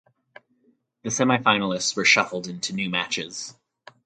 The semifinalists were shuffled into new matches.